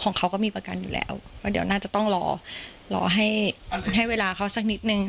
ของเขาก็มีประกันอยู่แล้วว่าเดี๋ยวน่าจะต้องรอรอให้เวลาเขาสักนิดนึง